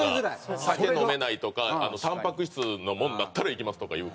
酒飲めないとかあとたんぱく質のものだったら行きますとか言うから。